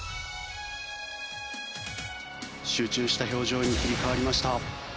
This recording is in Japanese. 集中した表情に切り替わりました。